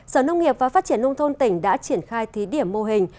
sở nông nghiệp và phát triển nông thôn tỉnh đã triển khai thí điểm mô hình